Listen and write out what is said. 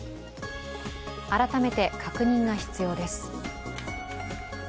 改めて確認が必要です。